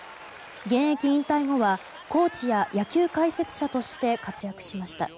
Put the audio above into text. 現役引退後は、コーチや野球解説者として活躍しました。